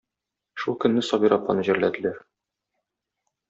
Шул көнне Сабира апаны җирләделәр.